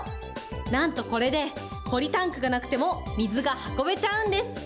なんとこれで、ポリタンクがなくても、水が運べちゃうんです。